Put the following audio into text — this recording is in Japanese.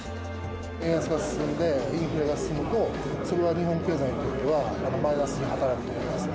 円安が進んで、インフレが進むと、それが日本経済にとってはマイナスに働くと思います。